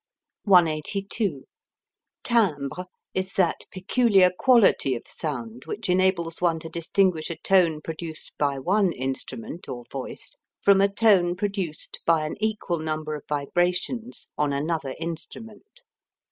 182. Timbre is that peculiar quality of sound which enables one to distinguish a tone produced by one instrument (or voice) from a tone produced by an equal number of vibrations on another instrument.